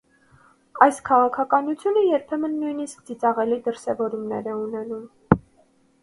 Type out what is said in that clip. Այս քաղաքականությունը երբեմն նույնիսկ ծիծաղելի դրսևորումներ է ունենում: